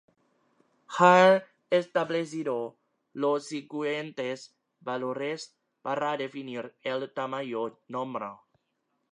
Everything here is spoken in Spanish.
Han establecido los siguientes valores para definir el tamaño normal.